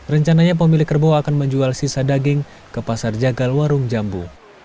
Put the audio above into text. rencananya pemilik kerbau akan menjual sisa daging ke pasar jagal warung jambu